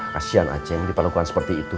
kasian aceng diperlakukan seperti itu